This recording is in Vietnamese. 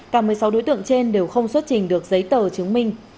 cả một mươi sáu đối tượng trên đều không xuất trình được giấy tờ chứng minh